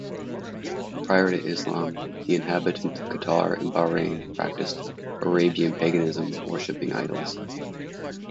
Prior to Islam, the inhabitants of Qatar and Bahrain practiced Arabian paganism, worshipping idols.